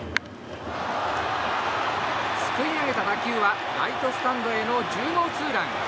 すくい上げた打球はライトスタンドへの１０号ツーラン。